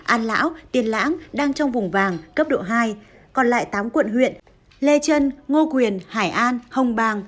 an lão tiền lãng đang trong vùng vàng cấp độ hai còn lại tám quận huyện lê trân ngô quyền hải an hồng bàng